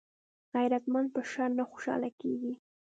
غیرتمند په شر نه خوشحاله کېږي